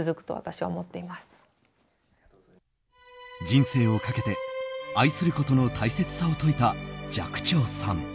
人生をかけて愛することの大切さを説いた寂聴さん。